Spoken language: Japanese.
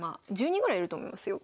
１０人ぐらいいると思いますよ。